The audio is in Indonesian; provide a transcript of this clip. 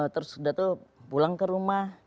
terus dia tuh pulang ke rumah